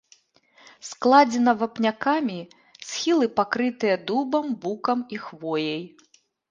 Складзена вапнякамі, схілы пакрытыя дубам, букам і хвояй.